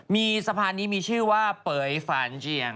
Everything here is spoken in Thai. มีสะพานนี้มีชื่อว่าเป๋ยฝานเจียง